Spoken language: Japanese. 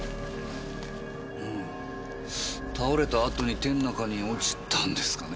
倒れた後に手の中に落ちたんですかね？